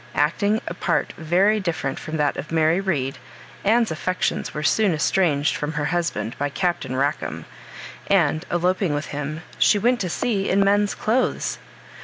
Acting a part very different from that of Mary Read, Anne's affections were soon estranged from her husband by Captain Rackam; and eloping with him, she went to sea in men's clothes.